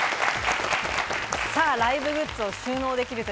ライブグッズを収納できると